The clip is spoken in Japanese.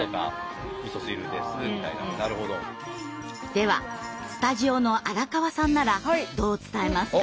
ではスタジオの荒川さんならどう伝えますか？